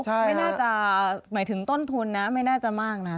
ไม่น่าจะหมายถึงต้นทุนนะไม่น่าจะมากนะ